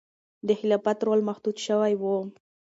د خلافت رول محدود شوی و.